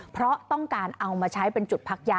เพราะต้องการเอามาใช้เป็นจุดพักยา